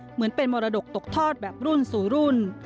เหมือนเป็นมรดกตกทอดแบบรุ่นสู่รุ่น